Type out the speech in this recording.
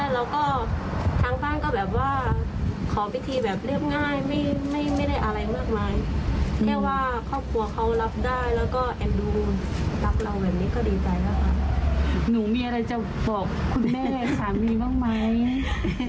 หนูมีอะไรจะบอกคุณแม่แม่ค่ะคุณสามีบ้างไหม